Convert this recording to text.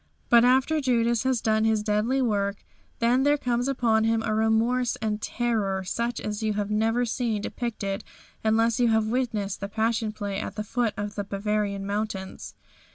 But after Judas has done his deadly work then there comes upon him a remorse and terror such as you have never seen depicted unless you have witnessed the Passion Play at the foot of the Bavarian mountains.